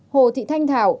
ba hồ thị thanh thảo